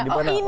oh ini dia